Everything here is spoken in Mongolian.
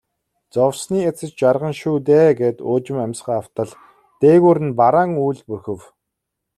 Зовсны эцэст жаргана шүү дээ гээд уужим амьсгаа автал дээгүүр нь бараан үүл бүрхэв.